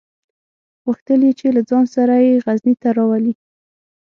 غوښتل یې چې له ځان سره یې غزني ته راولي.